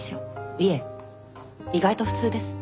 いえ意外と普通です。